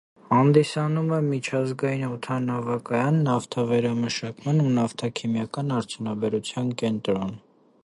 Հանդիսանում է միջազգային օդանավակայան, նավթավերամշակման ու նավթաքիմիական արդյունաբերության կենտրոն։